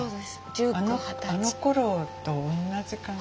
あのころとおんなじ感じ。